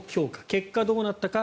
結果、どうなったか。